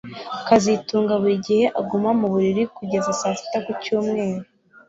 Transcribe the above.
kazitunga buri gihe aguma mu buriri kugeza saa sita ku cyumweru